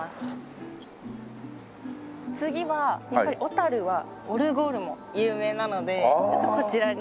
次はやっぱり小はオルゴールも有名なのでちょっとこちらに。